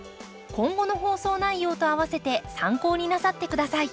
今後の放送内容とあわせて参考になさって下さい。